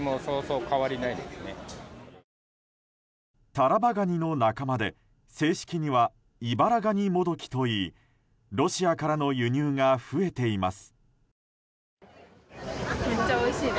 タラバガニの仲間で、正式にはイバラガニモドキといいロシアからの輸入が増えています。